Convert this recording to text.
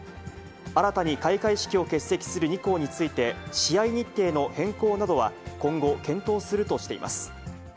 新たに開会式を欠席する２校について、試合日程の変更などは今後検討するとしています。